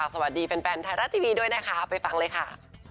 สวัสดีแฟนไทยรัฐทีวีด้วยนะคะไปฟังเลยค่ะ